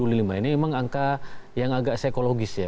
ini memang angka yang agak psikologis ya